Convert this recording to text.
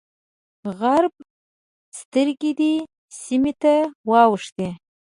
غرب سترګې دې سیمې ته واوښتې.